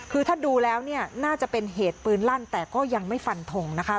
คือถ้าดูแล้วเนี่ยน่าจะเป็นเหตุปืนลั่นแต่ก็ยังไม่ฟันทงนะคะ